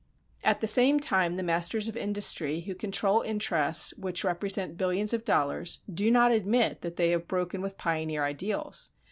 At the same time the masters of industry, who control interests which represent billions of dollars, do not admit that they have broken with pioneer ideals.